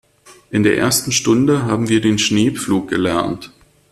In der ersten Stunde haben wir den Schneepflug gelernt.